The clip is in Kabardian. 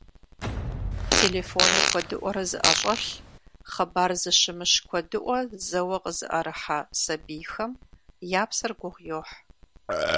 Телефоныр куэдыӀуэрэ зыӀэщӀэлъ, хъыбар зэщымыщ куэдыӀуэ зэуэ къызыӀэрыхьэ сабийхэм я псэр гугъу йохь.